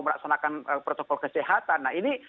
melaksanakan protokol kesehatan nah ini